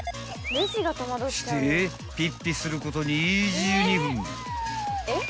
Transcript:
［してピッピすること］